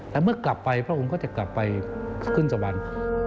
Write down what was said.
แต่เมื่อกลับไปพระองค์ก็จะกลับไปขึ้นสวรรค์